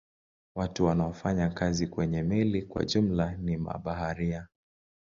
Watu wanaofanya kazi kwenye meli kwa jumla ni mabaharia.